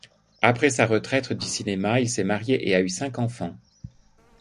Après sa retraite du cinéma, elle s'est mariée et a eu cinq enfants.